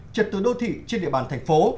trật từ đô thị trên địa bàn thành phố